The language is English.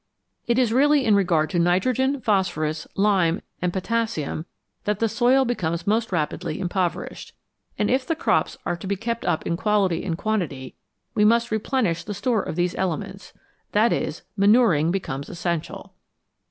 It is really in regard to nitrogen, phosphorus, lime, and potassium that the soil becomes most rapidly impoverished, and if the crops are to be kept up in quality and quantity we must replenish the store of these elements ; that is, manuring becomes essential.